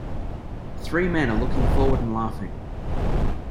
Three men are looking forward and laughing.